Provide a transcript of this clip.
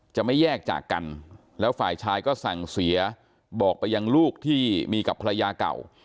จะไม่แยกจากกันแล้วฝ่ายชายก็สั่งเสียบอกไปยังลูกที่มีกับภรรยาเก่า